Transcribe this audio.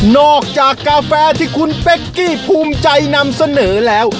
จากกาแฟที่คุณเป๊กกี้ภูมิใจนำเสนอแล้ว